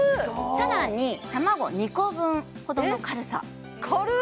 さらに卵２個分ほどの軽さ軽っ！